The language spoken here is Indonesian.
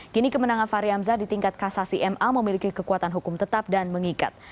kini kemenangan fahri hamzah di tingkat kasasi ma memiliki kekuatan hukum tetap dan mengikat